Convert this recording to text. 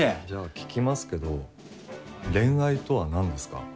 じゃあ聞きますけど恋愛とは何ですか？